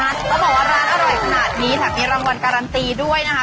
ต้องบอกว่าร้านอร่อยขนาดนี้แถมมีรางวัลการันตีด้วยนะคะ